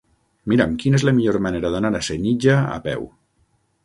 Mira'm quina és la millor manera d'anar a Senija a peu.